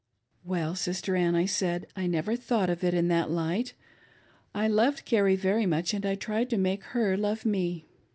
" Well, Sifter Ann," I said, " I never thought of it in that light. I loved Carrie very much, and I tried to make her love me.